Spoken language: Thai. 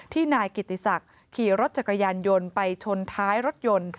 นายกิติศักดิ์ขี่รถจักรยานยนต์ไปชนท้ายรถยนต์